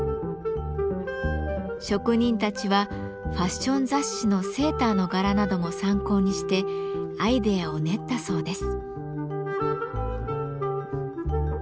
職人たちはファッション雑誌のセーターの柄なども参考にしてアイデアを練ったそうです。